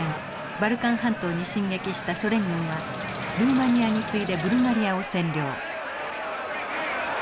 バルカン半島に進撃したソ連軍はルーマニアに次いでブルガリアを占領。